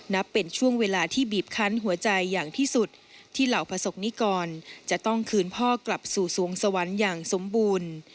นับเป็นช่วงเวลาที่บีบคันหัวใจอย่างที่สุดที่เหล่าประสบนิกรจะต้องคืนพ่อกลับสู่สวงสวรรค์อย่างสมบูรณ์